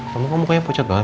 kamu mukanya pucat banget